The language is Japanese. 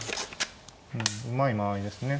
うまい間合いですね